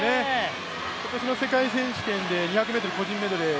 今年の世界選手権で２００ｍ個人メドレー